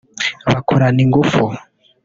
bakorana ingufu